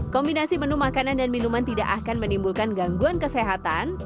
kombinasi menu makanan dan minuman tidak akan menimbulkan gangguan kesehatan